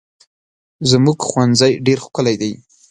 زموږ ښوونځی ډېر ښکلی دی.